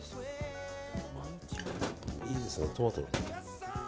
いいですね、トマト。